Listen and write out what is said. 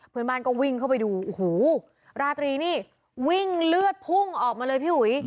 เพื่อนบ้านก็วิ่งเข้าไปดูโอ้โหราตรีนี่วิ่งเลือดพุ่งออกมาเลยพี่อุ๋ย